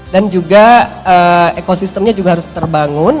dan juga ekosistemnya juga harus terbangun